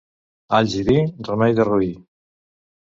Alls i vi, remei de roí.